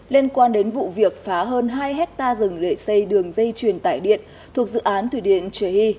liên quan đến vụ việc phá hơn hai hectare rừng để xây đường dây truyền tải điện thuộc dự án thủy điện chế hy